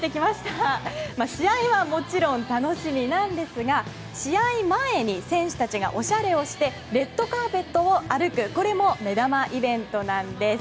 試合はもちろん楽しみなんですが試合前に選手たちがおしゃれをしてレッドカーペットを歩くこれも目玉イベントなんです。